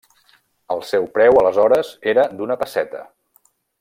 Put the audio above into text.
El seu preu aleshores era d’una pesseta.